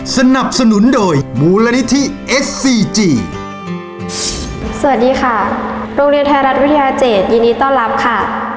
สวัสดีค่ะโรงเรียนไทยรัฐวิทยา๗ยินดีต้อนรับค่ะ